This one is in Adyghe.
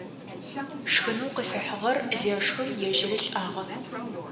Шхынэу къыфихьыгъэр зешхым, ежьыри лӀагъэ.